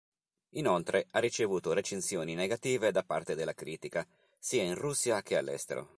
Inoltre ha ricevuto recensioni negative da parte della critica, sia in Russia che all'estero.